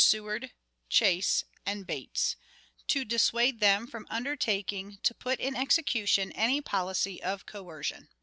Seward, Chase, and Bates), to dissuade them from undertaking to put in execution any policy of coercion.